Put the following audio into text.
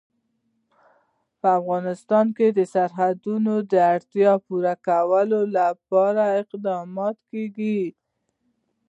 په افغانستان کې د سرحدونه د اړتیاوو پوره کولو لپاره اقدامات کېږي.